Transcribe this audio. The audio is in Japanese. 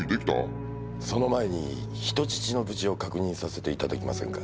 その前に人質の無事を確認させていただけませんか？